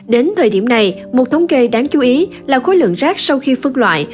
đến thời điểm này một thống kê đáng chú ý là khối lượng rác sau khi phân loại